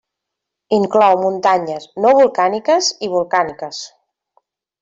Inclou muntanyes no volcàniques i volcàniques.